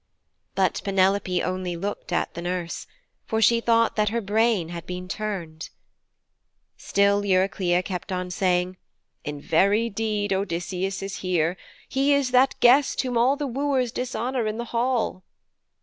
But Penelope only looked at the nurse, for she thought that her brain had been turned. Still Eurycleia kept on saying, 'In very deed Odysseus is here. He is that guest whom all the wooers dishonour in the hall.'